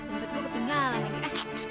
bentuk lo ketinggalan lagi eh